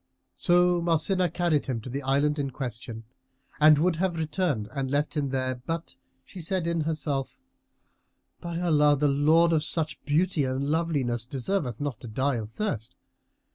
So Marsinah carried him to the island in question and would have returned and left him there but she said in herself, "By Allah, the lord of such beauty and loveliness deserveth not to die of thirst!"